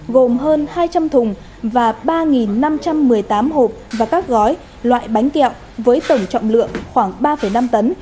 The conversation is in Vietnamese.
gồm hơn hai trăm linh thùng và ba năm trăm một mươi tám hộp và các gói loại bánh kẹo với tổng trọng lượng khoảng ba năm tấn